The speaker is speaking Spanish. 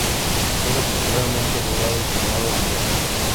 Siendo posteriormente juzgado y condenado a muerte.